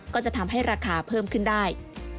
ก็จะทำให้ราคาเพิ่มขึ้นได้